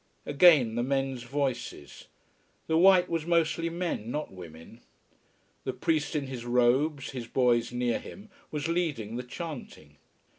Again the men's voices! The white was mostly men, not women. The priest in his robes, his boys near him, was leading the chanting.